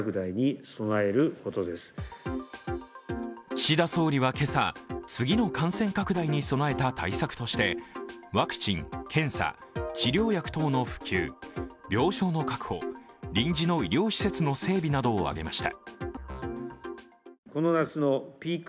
岸田総理は今朝、次の感染拡大に備えた対策としてワクチン、検査、治療薬等の普及、病床の確保、臨時の医療施設の整備などを挙げました。